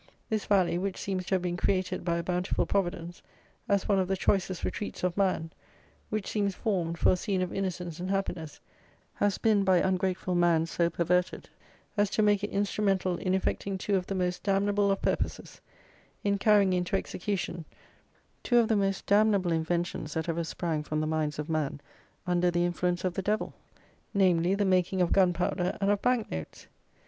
This valley, which seems to have been created by a bountiful providence, as one of the choicest retreats of man; which seems formed for a scene of innocence and happiness, has been, by ungrateful man, so perverted as to make it instrumental in effecting two of the most damnable of purposes; in carrying into execution two of the most damnable inventions that ever sprang from the minds of man under the influence of the devil! namely, the making of gunpowder and of banknotes!